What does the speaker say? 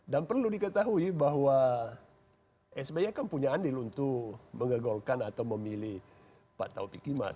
dan perlu diketahui bahwa sby kan punya andil untuk mengegolkan atau memilih pak taufik iqbal